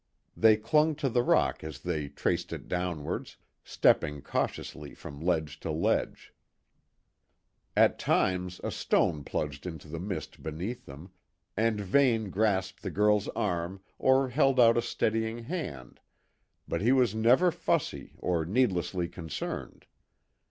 They clung to the rock as they traced it downwards, stepping cautiously from ledge to ledge. At times a stone plunged into the mist beneath them, and Vane grasped the girl's arm or held out a steadying hand, but he was never fussy or needlessly concerned.